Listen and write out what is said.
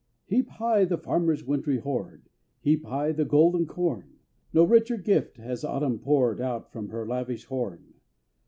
Heap high the farmer's wintry hoard! Heap high the golden corn! No richer gift has autumn poured From out her lavish horn!